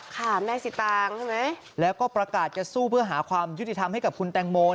ค่ะแม่สิตางใช่ไหมแล้วก็ประกาศจะสู้เพื่อหาความยุติธรรมให้กับคุณแตงโม